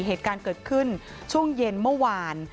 เหตุการณ์เกิดขึ้นช่วงเย็นเมื่อวาน